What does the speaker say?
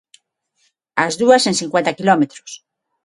As dúas en cincuenta quilómetros.